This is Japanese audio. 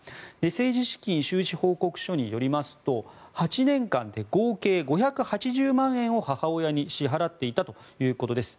政治資金収支報告書によりますと８年間で合計５８０万円を母親に支払っていたということです。